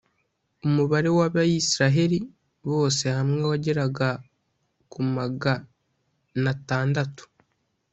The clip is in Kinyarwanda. umubare w’abayisraheli bose hamwe wageraga ku magan atadatu